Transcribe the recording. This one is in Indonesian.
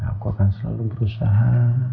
aku akan selalu berusaha